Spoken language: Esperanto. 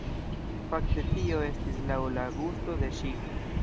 Fakte tio estis laŭ la gusto de ŝi.